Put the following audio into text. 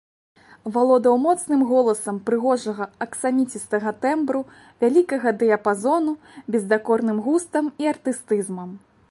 Валодаў моцным голасам прыгожага аксаміцістага тэмбру, вялікага дыяпазону, бездакорным густам і артыстызмам.